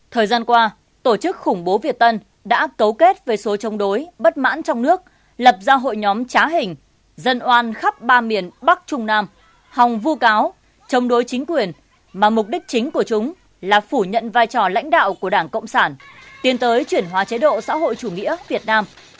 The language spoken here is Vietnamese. thời gian qua tổ chức khủng bố việt tân đã cấu kết với số chống đối bất mãn trong nước lập ra hội nhóm trá hình dân oan khắp ba miền bắc trung nam hòng vu cáo chống đối chính quyền mà mục đích chính của chúng là phủ nhận vai trò lãnh đạo của đảng cộng sản tiến tới chuyển hóa chế độ xã hội chủ nghĩa việt nam